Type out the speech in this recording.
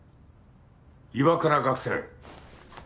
岩倉学生。